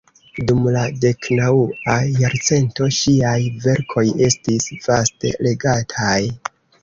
Dum la deknaŭa jarcento ŝiaj verkoj estis vaste legataj.